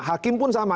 hakim pun sama